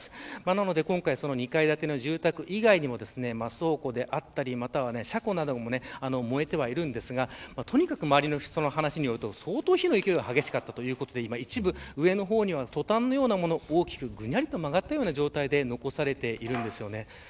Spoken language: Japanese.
今回、２階建ての住宅以外にも倉庫であったり、車庫なども燃えてはいるんですがとにかく周りの人の話によると相当火の勢いが激しかったということで一部上の方にはトタンのようなものが大きくぐにゃりと曲がったような状態で残されています。